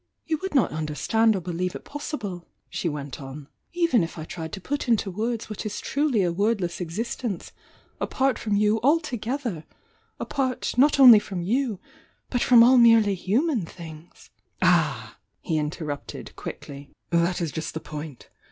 "You would not understand or believe it possi ble," Jie went on, "even if I tried to put into worLs what is truly a wordless existence, apart from you altogether, — apart not only from you, but from all merely human things " "Ah!" he interrupted quickly— "That is just the point.